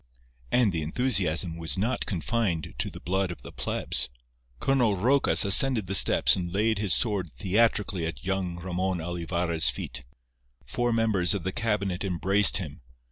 And the enthusiasm was not confined to the blood of the plebs. Colonel Rocas ascended the steps and laid his sword theatrically at young Ramon Olivarra's feet. Four members of the cabinet embraced him.